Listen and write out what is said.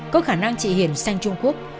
có khả năng chị hiền sang trung quốc